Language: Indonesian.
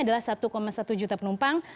adalah satu satu juta penumpang